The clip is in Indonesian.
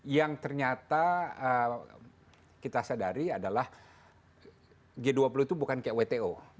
yang ternyata kita sadari adalah g dua puluh itu bukan kayak wto